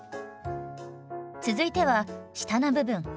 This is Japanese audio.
続いては下の部分。